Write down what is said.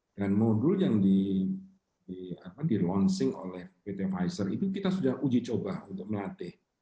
dan modul yang di launching oleh pfizer itu kita sudah uji coba untuk melatih